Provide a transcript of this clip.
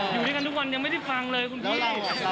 อยู่ด้วยกันทุกวันยังไม่ได้ฟังเลยคุณพ่อ